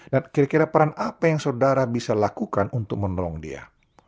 dan kira kira peran apa yang saudara bisa lakukan untuk menolong dia